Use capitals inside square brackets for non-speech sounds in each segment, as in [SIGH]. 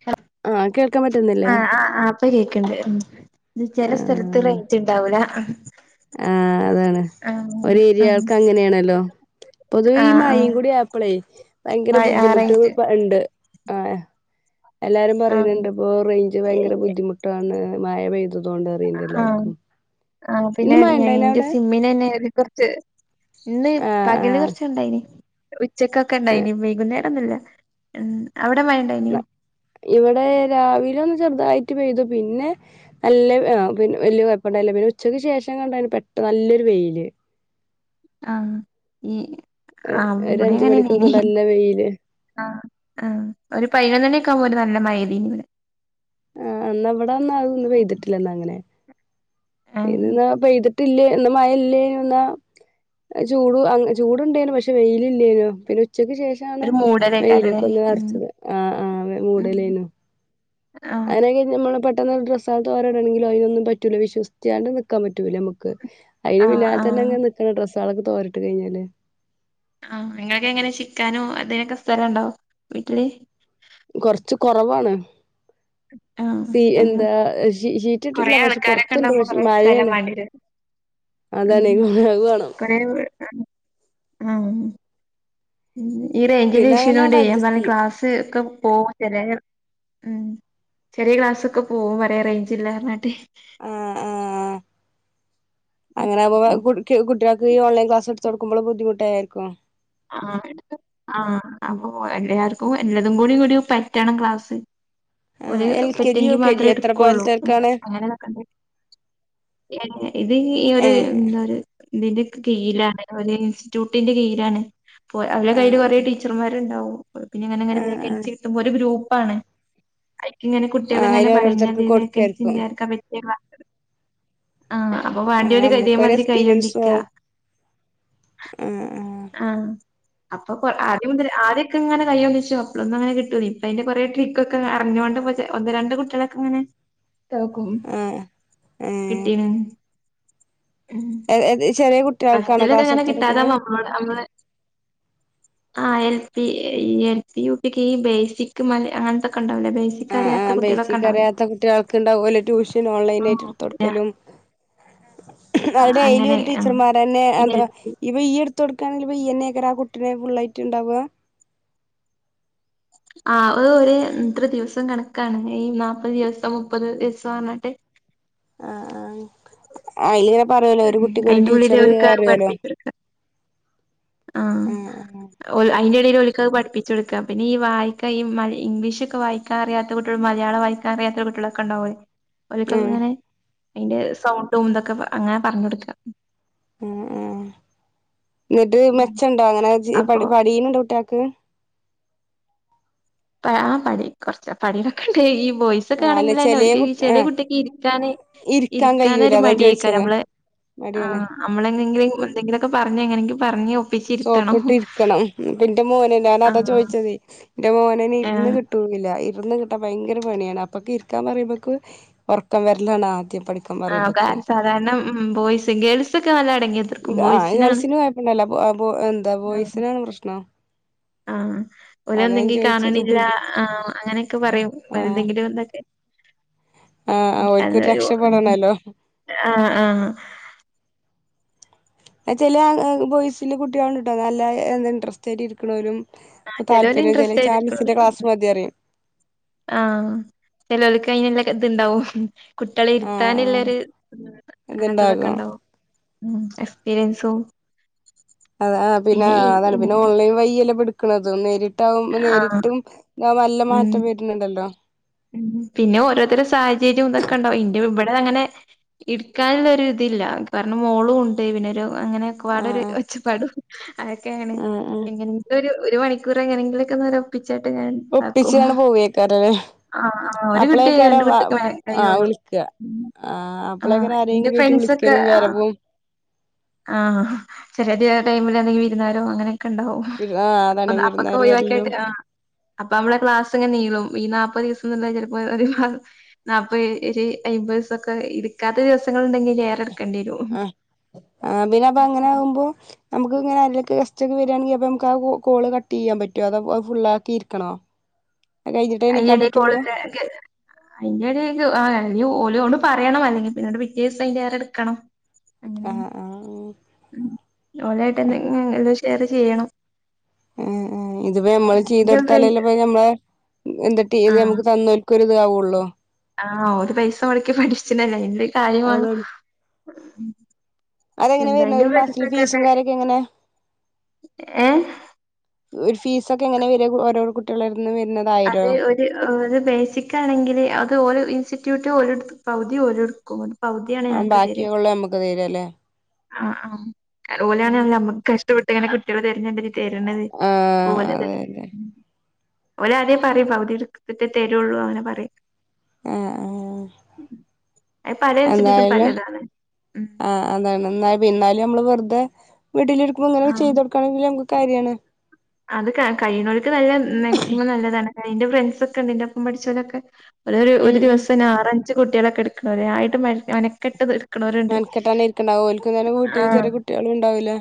[UNINTELLIGIBLE] ആ കേൾക്കാൻ പറ്റുന്നില്ലേ ആ ആ ഇപ്പ കേക്ക്ണ്ട് ഉം ചെല ആ സ്ഥലത്ത് റൈഞ്ച്ണ്ടാവൂല ആ അതാണ് ഒര്. ആഹ് ഏരിയാൾക്ക് അങ്ങനെയാണല്ലോ പൊതുവെ ഈ ആഹ് ആഹ് മഴിം കൂടി ആയപ്പളേ ഭയങ്കര മഴ ആഹ് ബുദ്ധിമുട്ട് റേഞ്ച് ഇണ്ട് ആ എല്ലാരും ആഹ് പറിണിണ്ട് ഇപ്പോ റൈഞ്ച് ഭയങ്കര ബുദ്ധിമുട്ടാണ് മഴ പെയ്ത ത്തതോണ്ട് അറിയ്ണ്ട് ആഹ് എല്ലാർക്കും ആഹ് പിന്നെ ഞാ ഇന്റെ സിമ്മിനെന്നെ ഒര് കൊർച്ച് ഇന്ന് ആ ആ പകൽ കൊറച്ച്ണ്ടായിനി ച്ചക്കൊക്കെ ഇണ്ടായിനി വൈകുന്നേരൊന്നും ഇല്ല ഉം അവിടെ മഴ ഇണ്ടായിനോ ഇവിടെ രാവിലൊന്ന് ചെർതായി ട്ട് പെയ്തു പിന്നെ എല്ലം അ പിൻ വെല്ല്യേ കൊയ്പണ്ടായില പിന്നുച്ചക്ക് ശേഷം കണ്ട് പെട്ട നല്ലൊര് വെയില് ആ ഈ ഏ, ആ ഒരു ഇവിടിം അഞ്ച് മണിക്കൊക്കെ അങ്ങനെന്നെയിനി നല്ല വെയില് അ ആ ഒര് പയ്നോന്നണി ക്കാവുമ്പോ ഒര് ന ല്ല മായെയ്തീനി ഇവ്ടെ ആ ഇന്ന ഇവടെന്ന അതൊന്നും പെയ്തിട്ടില്ല ന്ന അങ്ങനെ ആഹ് ഇതിന്ന പെയ്തിട്ടില്ലേ ഇന്ന് മയെല്ലേ ന്ന ചൂടു അ ചൂടിണ്ടേനും പഷേ വെയ്ലില്ലേനു പിന്നു ച്ചക്ക് ശേഷാണ് ഒരു മൂടലേക്കാരല്ലേ വെയ്ലൊക്കൊന്ന് ഉം അർച്ചത് അ ആ അതെ ഉം മൂടലേനു ആഹ് [UNINTELLIGIBLE] ട്ടെന്ന് ഡ്രസ്സാള് തോരടണെങ്കിലോ അയ്നൊന്നും പറ്റൂല്ല വിശ്വസിച്ചാണ്ട് നിക്കാൻ പറ്റൂല്ല മ്മക്ക് അയ്ന് ആഹ് പിന്നാലെ ആഹ് തന്നെങ്ങനെ നിക്കണം ഡ്രസ് സാളൊക്കെ തോരിട്ട് കൈഞാല് ആ ഇങ്ങക്കെങ്ങനെ ചിക്കാനും ഇതിനൊക്കെ സ്ഥലണ്ടോ വീട്ടില് കൊർച് കൊറവാണ് ആഹ് സീ ഞങ്ങൾ എന്താ ഷി കൊറേ ഷീറ്റിട്ടിട്ടില്ല പഷേ ആൾക്കാരൊക്കെ പൊർത്തിണ്ട് ഉണ്ടാവുമ്പോ പഷ് കൊറേ സ്ഥലം മയേണ് വേണ്ടിവരും അതാണേയ് അത് വാണം ആ ആ ഇന്ന് ഈ റെയ്ഞ്ചിന്റെ പിന്നെ ഇഷ്യൂനോണ്ട് അങ്ങനെയണ്ട് ഞാൻ അഡ്ജസ്റ്റ് പറയ ചെയ്യും ക്ലാസ് ഒക്കെ പോവും ചെലെ ഉം ചെറെ ക്ലാസ്സ് ഒക്കെ പോവും വരെ റേയ്ഞ്ചില്ലാ പർഞ്ഞാട്ടെ ആ ആ അങ്ങനെ പോവാ ഉം. കുട്ക്ക് കുട്ടിയാക്ക് ഈ ഓൺലൈൻ ക്ലാസ് ഇട്ത്തൊട് ക്കുമ്പുളും ബുദ്ധിമുട്ടായേര്ക്കും ആ ആ ആ അപ്പൊ എല്ലാര്ക്കും എല്ലതും കൂടി കൂടി പറ്റണം ക്ലാസ് ഓര് ആഹ് എൽ കെ ജി യു പറ്റെങ്കി കെ ജി മാത്രേ എത്ര ഇട്ക്കൊള്ളൂ പോലത്തേർക്കാണ് [UNINTELLIGIBLE] ഇത് ഈ ഒരു ഏഹ് ന്താ പറയാ ഇതിന്റെക്കെ കീഴിലാണ് ഒരു ഇൻസ്റ്റ്യൂട്ടിന്റെ കീഴിലാണ് പോ അവരിടെ കയ്യിയില് കൊറേ ആഹ് ടീച്ചർമാരുണ്ടാവും പിന്നെങ്ങനെങ്ങനെ ആഹ് ബാക്ക് അടിച്ച് ആഹ് കിട്ടുമ്പോ ഒരു ഗ്രൂ പ്പാണ് [INAUDIBLE] [UNINTELLIGIBLE] ഇങ്ങനെ കുട്ടി ആഹ് അയിന് ഓരോരുത്തർക്ക് കൊടുക്കായിരിക്കും [UNINTELLIGIBLE] ആഹ് നമ്മുക്കൊരു എക്സ്പീരിയൻസും ആവും ആഹ് [UNINTELLIGIBLE] [UNINTELLIGIBLE] തോക്കും ആഹ് കിട്ടീന്. എ ഏ ചെറിയ കുട്ടികൾക്കാണോ ക്ലാസ് എടുത്ത്ടുക്കില് ആ എൽ പി എൽ പി യുപിക്ക് ബേസിക് മല അങ്ങൻത്തൊക്കെ ണ്ടാവൂലെ ആ ആ ബേസിക് അറിയാത്ത കുട്ടികൾക്ക് ഇണ്ടാവലെ ട്യൂഷൻ ഓൺലൈൻ ആ ആയിട്ട് എടുത്ത പിന്നെ കൊടുക്കലും ആ, അവടെ ഡെയ്ലി അങ്ങനെ ഒരു ടീച്ചർമാർന്നെ എന്താ ഇപ്പൊ ഈടു കൊടുക്കാണെങ്കിൽയ്യ എന്നെക്കെ ആ കുട്ടെ ഫുള്ളൾായിട്ടുണ്ടാവുക ആ ഒ എത്ര ദിവസം കണക്കാണ് ഈ നാല്പത് ദിവസം മുപ്പത് ദിവസം പറഞ്ഞിട്ട് ആ ആ [UNINTELLIGIBLE] ഇങ്ങനെ പറയലോ ഒരു കുട്ടിക്ക് ഒരു അയിന്റെ ഉള്ളില് ടീച്ചറ് ഓൽക്ക് അറിയാലോ ആ അയിന്റെ ഇടൽ ഒ പഠിപ്പിച്ച കൊടുക്ക പിന്നെ ഈ വായിക്ക ഈ മൽ ഇംഗ്ലീഷ് ഒക്കെ വായിക്കൻ അറിയാത്ത കുട്ടികൾ മല്യാളം വായിക്കാൻറിയാത്ത കുട്ടികളൊക്കെ ഉണ്ടാവലേ ആഹ് ഓരൊക്കൊ ആഹ് ങ്ങനെ അന്റെ സൗണ്ടും ഇതൊക്കെ അങ്ങനെ പറഞ് കൊടുക്ക ഉം ഉം എന്നിട്ട് മെച്ചംണ്ടോ അങ്ങനെ ജി അപ്പൊ പടി പടീണ്ടട്ട ഉം ക്കെ ആ ആ പടി കുറച്ച് പടി വൊക്കെണ്ട ഈ പ ബോയ്സ് ഒക്കെ ആഹ് അല്ല ആണെങ്കിൽന്നെ ചെലേ ഒൽക് ഈ കുട്ടി ചെറിയ ആഹ് കുട്ടിക്ക് ഇരിക്കാന് ഇരിക്കാൻ ഇരിക്കാന കഴിയൂല ഒരു അതാ മടിയക്കരും ചോയിച്ചത് നമ്മള് ആ മടിയാണ് നമ്മളെന്തെങ്കിലും എന്തെങ്കിലുംക്കെ പറഞ്ഞ എങ്ങനെങ്ക പറഞ്ഞു സോപ്പിട്ട് ഇരിക്കണം പിന്റെ മോന് ആ ഞാാനതാ ചോദിച്ചത് എം അന് ആ ഇരുന്ന് കിട്ടുനില ഇന്ന് കിട്ടാ ഭയങ്കര പണിയാണ് അപ്പൊക്ക ഇരിക്കാൻ പറുമ്പൊക്ക് ഉറക്കം വരലാണ് ആ ആ കാര്യ സാധാരണ ബോയിസ് ഗേൾ സൊക്കെ നല്ല അടങ്ങിയിരിക്കും ബോയി ആഹ് സിനാണ് ഗേൾസിന് കൊഴപ്പണ്ടാവില്ല [UNINTELLIGIBLE] എന്താ ബോയ്സിനാണ് പ്രശ്നം ആ ഓര് അതാ ഞാൻ എന്തെങ്കിലും ചോയിച്ചത് കാണണില്ല ആ അങ്ങനെയൊക്കെ പറയും ആഹ് [UNINTELLIGIBLE] ആഹ് ഞാൻ ഓൽക്കൊരു ഒരു രക്ഷപ്പെടണല്ലോ ആ ആ അത്‌ ചെലെ അ ബോയ്സില് കുട്ട്യാൾ ഇണ്ട്ട്ടോ നല്ല എന്ത ഇന്ട്രെസ്റ്റ് ആയി ഇരിക്ക്‌ണോലും ചെലോല് ഇൻട്രസ്റ്റ് ആയിട്ട് ഇരിക്ക്‌ണോലു ക്ലാസ് മതി പറയും ആ ചേലോൽക് അയിനില്ലെ ഇത് ഇണ്ടാവും കുട്ട്യാളെ ആഹ് ഇരിത്താൻ ഇല്ലെ ആഹ് ഒര് അങ്ങൻതെത് ഇത്ണ്ടാകും ഒക്കെണ്ടാവും മ് എക്സ്പീരിയൻസും അതെ ആ പിന്നാ പിന്നെ ഈ അതാണ് പിന്നോൺലൈൻ വയി അല്ലെ ഇപ്പൊ ഇട് ക്ക്ണതും നേരി ആ ഉം മാറ്റം വരുന്നുണ്ടല്ലോ ഉം പിന്നെ ഓരോർതരെ സാഹചര്യം ഇതൊക്കെ ഇണ്ടാവും ഇന്റെ ഇബ ന്റതങ്ങനെ ഇര്ക്കാൻ ഇലോരു ഇതില്ല കാരണം മോളുണ്ട് പിന്നൊരു അങ്ങനെ ഒക്കെ പാടെ ആഹ് ഒരു ഒച്ചപ്പാട് അതൊക്കെ ആണ് ആഹ് ആഹ് ഇങ്ങൻത്തെ ഒരു ഒരു മണിക്കൂർ എങ്ങനെ ങ്കിലൊക്കെ ഒന്ന് ഒപ്പിച് ഒപ്പിച്ചാണ്ട് പോവെയ്ക്കാരം ലെ ആഹ് ആഹ് ഒരു കുട്ടി അപ്പളയ്ക്കാരം രണ്ട് വ കുട്ടിക്ക് ആ കഴിയുള്ളൂ വിളിക്ക ആ ആഹ് അപ്പളയ്ക്കാരം ആരേങ്കിലുവായിട്ട് വിളിക്കലും വരവും ആ ആ ചെലര് ആ ടൈംമില് ഏതെങ്കിലും വിരുന്നാരൊ അങ്ങനെ ആ അതാണ് വിരുന്നാ ഒഴിവാക്ക്യ ആ അപ്പമ്മളെ ക്ലാസ്സ്‌ ഇങ്ങനെ നീളും ഈ നാപ് ഇപ്പൊ ഒരീസം തന്നെ ചെപ്പോ ഒരു നാല്പത് ഒരു അയ്പതീസം ഒക്കെ ഇരിക്കാത്ത ദിസങ്ങൾ ഉണ്ടെങ്കിൽഞായറെ ആ ആ പിന്നപ ങ്ങനെ ആവുമ്പോ നമ്മുക്ക് ഇങ്ങനെ അയിൽ ഗസ്റ്റ് ഒക്കെ വരാണെങ്കിൽ അപ്പോ നമ്മക്ക് ആ കൊൾ കട്ട് ചെയ്യാൻ പറ്റോ അതോ അത് ഫുൾ ആക്കി ഇരിക്കണോ അത് കഴിഞ്ഞിട്ടേ എണീക്കാൻ അയെടെ പറ്റുള്ളൂ കോൾഒക്കെ അതിന്റെ ഇടയിൽ ആ ഓൽ ഓൾ പറേണം അല്ലെങ്കി പിന്നെ ഒരു പിറ്റേസം അതിലേറെ ഇട്ക്കണം ആ അങ്ങനേണ് ആ മ് ഓല്യറ്റ് എന്തെങ്കിലും റേ ചെയ്യണം ആ ആ ഇതിപ്പോ നമ്മൾ ഉം. ചെയ്ത് എന്റെ ഒരു കൊടുത്താൽ അല്ലെ ഫ്രണ്ട് ഇപ്പ നമ്മളെ എന്നിട്ട് ഇത് ആ നമ്മൾക്ക് തന്നോ ക്ക്ഒരിതാവൊള്ളൂ ആ ഓർ പൈസ മൊടക്കി പഠിച്ച്ണതല്ലെ അതിന് ഒരു കാര്യവെ മ് അതാണ് അതെങ്ങനെ വരണത് ഒരു മാസത്തിൽ ഫീസും കാര്യക്കെ എങ്ങനെ ഏഹ് ഫീസൊക്കെ എങ്ങനെ വെരാ ഓരോ കുട്ടികളെ അത്‌ ഒരു ഒരു ബേസിക്കാണെങ്കില് അത്‌ ഒരു ഇൻസ്റ്റിറ്റ്യൂട്ട് ഓല് പകുതി ഓല്ട്ക്കും പകുതിയാണ് ആ ഞങ്ങക്ക് തരാ ബാക്കിയൊള്ള നമുക്ക് തരും അല്ലേ അ ആഹ് ഓലാണെ ഞമ്മക്ക് കഷ്ട്ടപെ [UNINTELLIGIBLE] കിട്ടിയവര് തരിണത് ആ ഓലത് അതെ അതെ ഓല് ആദ്യ പറിം പകുതി ഇട്ത്ട്ട് തരൊള്ളു അങ്ങനെ പറയും ആഹ് ആഹ് അത് പല ഇൻസ്റ്റിറ്റ്യൂട്ടും എന്തായാലും പലതാണ് ആ അതാണ് ന്നാ ന്നാലും മ്മള് വെറ്തെ വീട്ടിലിരിക്കുമ്പോ ഇങ്ങനൊക്കെ ചെയ്തൊട്ക്കാണെങ്കില് ന കാര്യാണ് അത്‌ കാ കയ്യ്നോൽക്ക് നല്ല മാക്സിമം നല്ലതാണ് അയിന്റെ ഫ്രണ്ട്സൊക്കെണ്ട് ഇന്റപ്പം പഠിച്ചോലൊക്കെ ഒരൊരു ഒരു ഉം ഉം ദിവസം ഞാറൻ ച് കുട്ട്യേളൊക്കെ ഇട്ക്ക്ണോല് അയിനായിട്ട് മെനകെട്ട് മെൻക്കെട്ടാണ്ട് ഇരിക്കുണ്ടാവു ഓൽക്കിങ്ങനെ വീട്ടില് ആഹ് ചെറ്യേ കുട്ട്യേളും ണ്ടാവൂലെ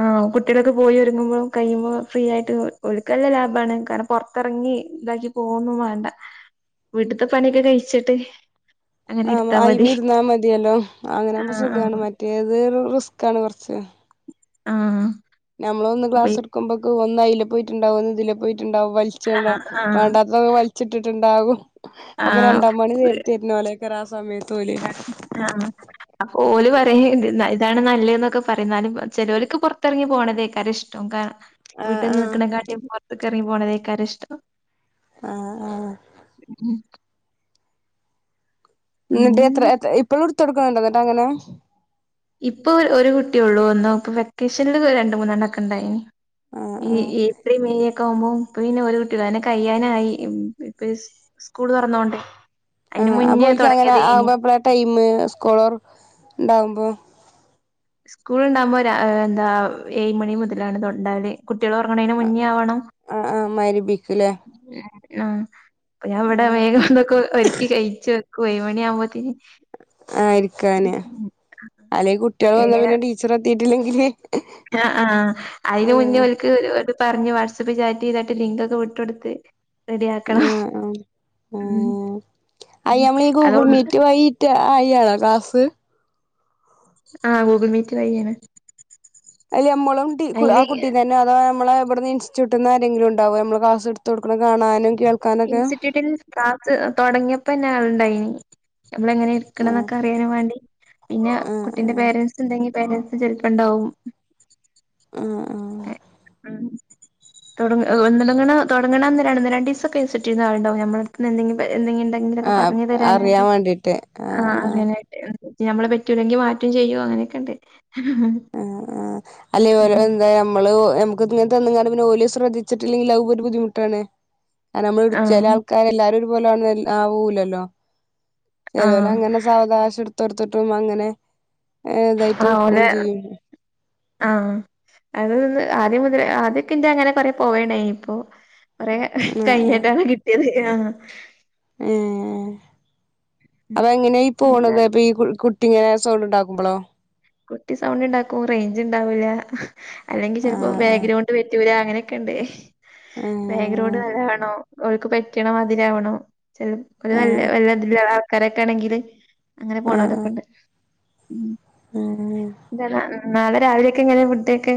ആഹ് കുട്ട്യേളൊക്കെ പോയിവരുമ്പളും കൈമ് ഫ്രീയായിട്ട് ഓൽക്കല്ലെ ലാഭാണ് കാരാണം പൊർത്തർങ്ങി ഇതാക്കിപോവൊന്നും വാണ്ട വീട്ട്ത്തെ പണ്യൊക്കഴിച്ചിട്ട് ആ അയിൽമ്മെ ഇരുന്നമതിയാലോ അങ്ങനാണെങ്കി ആഹ് ആഹ് സുഖാണ് മറ്റേത് റിസ്കാണ് കൊറച്ചേ ആഹ് ഞമ്മളൊന്ന് അപ്പൊ ഈ ക്ലാസ്സ്‌ട്ക്കുമ്പക്ക് ഓൽ ന്നായ്ലെ പോയിട്ട്ണ്ടാവും ഒന്ന് തിലെപൊയ്ട്ട് ണ്ടാവും വൽചോണ്ട ആഹ് ആഹ് വാണ്ടതൊക്കെ വൽച്ചിട്ട് കാകു ക്കെ രണ്ടാം പണി തര് തര്നോലോ - തറാസമയത് അ ആഹ് അപ്പൊ ഓല് പറിം ത് താണ് നല്ലേന്നൊക്കെ പറിം ന്നാലും ചെലോൽക്ക് പൊർത്തർങ്ങി പോക്ണതയ്ക്കാരം ഇഷ്ട്ടം കാര് ആഹ് ആഹ് വീട്ട്ന്ന്ക്ക്ണകാട്ടിം പൊർ തർങ്ങി പോക്ണതയ്ക്കാരം ഇഷ്ട്ടം ആഹ് ആഹ് ഉം ന്നട്ട് എത്ര ഉം ത്ര ഇപ്പളും തൊട്ക്ക്ണണ്ടോ ന്നട്ടങ്ങനെ ഇപ്പോ ഒരു കുട്ട്യൊള്ളു ന്നോ വെക്കേഷൻല് രണ്ട്മൂന്നണ്ണോക്കെ ണ്ടായീനി ആഹ് ഇ ആഹ് ഈ ത്രിഞ്ഞി ടോമോ ഇപ്പപിന്നെ ഒരു കുട്യോള്ളു അതന്നെ കയ്യാനായി ഇപ്പെ സ് സ്കൂൾ തൊറന്നോണ്ടേ ആ അപ്പൊ ഓൽക്കങ്ങനെ ആവുമ്പോ എപ്പയാ ടൈമ് സ്ക്കൂള് ഇണ്ടാവുമ്പോ സ്കൂള് ഉണ്ടാവുമ്പോ രാ എന്താ ഏഴ് മണി മുതലാണ് അതുണ്ടാവല് കുട്ട്യേള് ഒറങ്ങ്ണേന്റെ മുന്നാവണം ആ ആ മഗ്‌രിബിക്ക്ല്ലേ ഉം ആ ഇപ്പ ഞാൻ വടെ വേഗം ഇതൊക്കെ ഒരുക്കി [UNINTELLIGIBLE] ക്കോ ഏഴു മണി ആവുമ്പോത്തിന് ഉം ആ വന്നാൽ ടീച്ചറെത്തി എത്തില്ലെങ്കില് ആ ആ അയിന്റെ മുന്നേ ഓൽക്ക് പറഞ്ഞ് വാട്സപ്പ് ട്സപ്പില് ചാറ്റയ്താണ്ട് ലിങ്ക് ഒക്കെ വിട്ടുകൊടുത്ത് ഉ ഉ ഉം അയ് നമ്മള് അത് ഗൂഗിൾ മീറ്റ് വൈ ഇത് അയി ഫ്രീയാണോ ക്ലാസ്സ് ആ ഗൂഗിൾ മീറ്റ് വഴിയാണ് അയ്ല് നമ്മള് കുട്ടി ആ അതില് കുട്ടി തന്നെയതൊ നമ്മളെ ഇവ്ട്ന്ന് ഇൻസ്റ്റിറ്റ്യൂട്ട്ന്ന് ആരെങ്കിലും ഇണ്ടാവോ നമ്മള് ക്ലാസ് എടുത്തു കൊടുക് ഇൻസ്റ്റിറ്റ്യൂട്ടിന്ന് ക്ലാസ് തൊടങ്ങിയപ്പൻ ലാള്ണ്ടയ്നി നമ്മള് എങ്ങനെ ആ ട്ക്ക്‌ണേന്നൊക്കെറിയാൻ വാണ്ടി പിന്നെ ആ ആ കുട്ടിന്റെ പേരെന്റ്സ് ഇണ്ടെങ്ങി പേരൻസ് ചെൽപ്പംണ്ടാവും ആ ആ തൊടങ്ങ് ഒന്നൊട്ങ്ങ്ണേ തൊടങ്ങ്ണന്ന് ഒന്ന് രണ്ടീസൊക്കെ വിസിറ്റിങ്ങിന് ആള്ണ്ടാക്കും നമ്മളടുത്ത്ന്ന് എന്തെങ്കിലും പ ആ ആ എന്തെങ്കിണ്ടെങ്കിലൊക്കെ പറഞ്ഞ് തരാനായിട്ട് ആ അതിന് വേണ്ടി ഞ്ഞ് ഞമ്മളെ പറ്റൂല്ലെങ്കി മാറ്റും ചെയ്യും അങ്ങനെക്കെണ്ട് ആ ആ അല്ലേ ഓല് എന്തേ ഞം മ്മള് നമുക്ക്ത്ങ്ങൻ തന്ന്കാണ്ട് ഓല് ശ്രദ്ധിച്ചിട്ടില്ലെൽ അതും ഒരു ബുദ്ധിമുട്ടാണ് അ നമ്മൾ ആഹ് ചെലാൾക്കാരെല്ലാരൊരു [UNINTELLIGIBLE] പോലൊന്നും ആവുല്ലല്ലോ ആഹ് ചേലോലങ്ങനെ സാവകാശെട് ത്തെട്ത്ത്ട്ടും അങ്ങനെ ഏതായ്ട്ട് ഓലെ നിക്കോംചെയ്യും ആ അത് പിന്നെ ആദ്യം മുതലേ ആദ്യക്കെന്റെ ഇങ്ങനെ കൊറേ പോവേണ്ടെയ്നി ഇപ്പാെ കൊറേ ആഹ് കഴിഞ്ഞ്ട്ടാണ് കിട്ട്യേത് ആ ഏ ഉം. അപ്പെങ്ങനെ ഈ എന്താ പോണത് അപ്പീ ഈ കു കു എങ്ങനേ സൗണ്ട്ണ്ടാക്കുമ്പളൊ കുട്ടി സൗണ്ട് ണ്ടാക്കും റേഞ്ച് ഉണ്ടാവൂല അല്ലെങ്കി ചെൽപ്പം ആഹ് ബാഗ്രൗണ്ട് പറ്റൂല അങ്ങനെ ക്കെണ്ടേ ആഹ് ബാഗ്രൗണ്ട് കാ [UNINTELLIGIBLE] ണാണോ ഓൽക്ക് പറ്റ്ണ മാതിരി ആവണം ഏഹ് ചെലര് [UNINTELLIGIBLE] കരൊക്കാണെങ്കില് അങ്ങനെ ആഹ് ആഹ് പോണോലൊക്കെണ്ട് ഉം ആഹ് [UNINTELLIGIBLE] നാളെ രാവിലെക്കെങ്ങെനെ [UNINTELLIGIBLE] ഡെക്കെ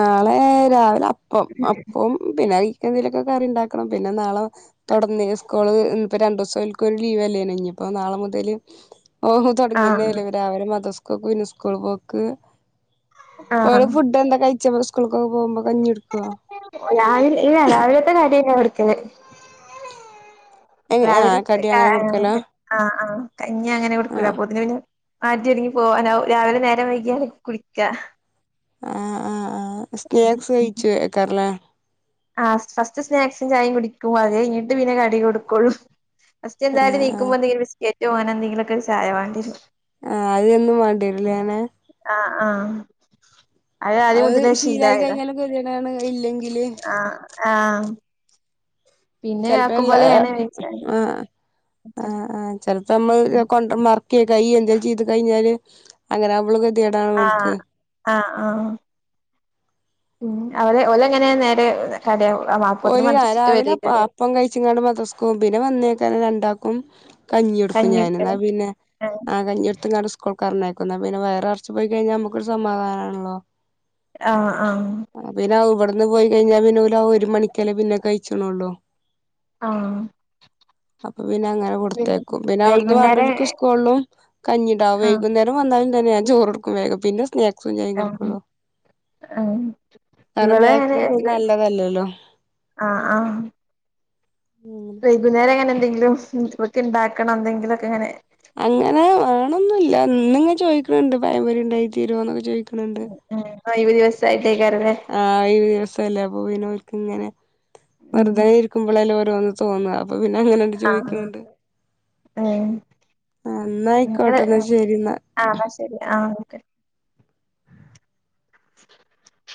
നാളേ രാവ് കൊ അപ്പോം പിന്നെയി എന്തേങ്കിലൊക്കെ കറിണ്ടാക്കണം പിന്നെ നാളെ തൊട്ന്നിലെ സ്കൂള് ൻ പ്പം രണ്ടൂസം ഓൽക്കൊരു ലീവെല്ലേന്യോ ഇഞ്പ്പം നാളെ മുതല് ഓ ഹോ തൊട്ങ്ങ്രാവിലെ ആഹ് നല്ലേ രാവിലെ മദ്രസ കൊകൊ ന് സ്കൂൾ പോക്ക് ആഹ് ഓള് ഫുഡ് എന്താ കഴ ച് സ്കൂൾകൊക്കെ പോകുമ്പ രാവിലെ ല്ല രാവിലത്തെ കട്യന്നെ കൊട്ക്ക് കെ എങ്ങനെ ആഹ് രാവിലത്തെ കടി ആ അങ്ങനെ കൊടുക്കലാ ആ് കഞ്ഞ അങ്ങനെ കൊടുക്കല ആഹ് അപ്പൊ തിന് പിന്ന ആറ്റി ഒര്ങ്ങി പോവാനാവും രാവിലെ വേറെ വൈകാ കുളിക്ക ക്കാ ആഹ ആഹ് ആ സ്നാക്സ് കഴിച്ചു എക്കാറലേ ആ ഫസ്റ്റ് സ്നാക്സും ചായയും കുടിക്കും അത് കഴഞ്ഞീട്ട് പിന്നെ കടി കൊടുക്കുള്ളു ആഹ് ഫസ്റ്റ്ന്തായാലും നീക്കുമ്പോ ആഹ് എന്തെങ്കിലും ബിസ്കറ്റ് ഓനെന്തേങ്കിലൊക്കെ ഒരു ചായ വേണ്ടേരും ആഹ അത്ൊന്നും വേണ്ടിരിലെ നെ ആഹ അത് ശീലായി കഴിഞ്ഞാലക്കെ എങ്ങനാണ് ഇതിലെങ്.. അ ആ ചിലപ്പം എല്ലാ അ അ അ അ ചിലപ്പം നമ്മൾ [UNINTELLIGIBLE] [UNINTELLIGIBLE] ചീറ്റി കഴിഞ്ഞാല് അങ്ങനെ നമ്മൾ [INAUDIBLE] ആ അ ആ അവര് ഓലങ്ങനെ നേരെ [UNINTELLIGIBLE] ഓന് രാ മദ്രസ്ട്ട് രാവിലെ അപ്പം ആ വരേക്കാരം അപ്പംകഴിച്ചുംകൊണ്ട് മദ്രസക്ക് പോകും പിന്നെ വന്നേച്ചാണ് രണ്ടപ്.. ഉം കഞ്ഞി എടുക്കും ഞാനെന്നാ പിന്നെ അ കഞ്ഞി എടുത്ത് [UNINTELLIGIBLE] പറഞ്ഞേക്കുന്നെ പിന്നെ വയറു നിറച്ചു പോയിക്കഴിഞ്ഞാൽ നമുക്ക് ഒരു സമാധാനം ആണല്ലോ. ആ അ ന്ന് പോയി കഴിഞ്ഞാ പിന്നുലാ ഒരു മണി.. ക്കല്ലേ പിന്നെ കഴിച്ചുണുള്ളു. ആഹ് [UNINTELLIGIBLE] പിന്നങ്ങനെ കൊടുത്തേയ്ക്കും പിന്നവിടുന്ന് വൈകുന്നേരം വേണ്ടൊരുക്ക് സ്കൂളിലും കഞ്ഞിണ്ടാവും ആഹ് വൈകുന്നേരം വന്ന് കഴി.. [UNINTELLIGIBLE] ചോറ് കൊടുക്കും വേഗം പിന്നെ സ്നാക്.. സും ചായയും ആഹ് കൊടുക്കുള്ളു ആഹ് ഇവള് [UNINTELLIGIBLE] നല്ല തല്ലല്ലോ. ആ അ വൈകുന്നേരം ഞാനെന്തെങ്കിലും [UNINTELLIGIBLE] ണ്ടാക്കണം എന്തെങ്കിലുക്കെ ഇങ്ങനെ അങ്ങനെ വേണൊന്നും ഇല്ല ഇന്ന് ങ്ങ് ചോദിക്ക്ണ് ണ്ട് പഴം പൊരി ഉണ്ടാക്കി തരുവോന്ന് ചോയി.. [INAUDIBLE] [UNINTELLIGIBLE] [UNINTELLIGIBLE] പോയിലോൽക്കിങ്ങനെ ഉം വെറുതേയിരിക്കുമ്പോളല്ലേ ഓര്.. രോന്ന് തോന്നുക ആഹ് [UNINTELLIGIBLE] ഏഹ് നിങ്ങള് എന്നായിക്കോട്ടെ ശരി എന്നാ ആഹ് ന്നാ ശരി [UNINTELLIGIBLE]